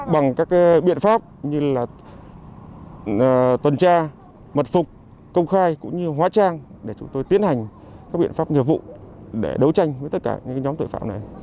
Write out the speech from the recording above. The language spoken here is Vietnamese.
bằng các biện pháp như là tuần tra mật phục công khai cũng như hóa trang để chúng tôi tiến hành các biện pháp nghiệp vụ để đấu tranh với tất cả những nhóm tội phạm này